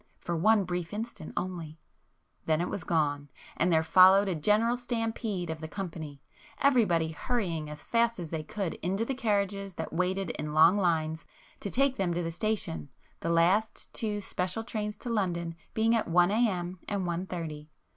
—for one brief instant only,—then it was gone, and there followed a general stampede of the company,—everybody hurrying as fast as they could into the carriages that waited in long lines to take them to the station, the last two 'special' trains to London being at one a.m. and one thirty.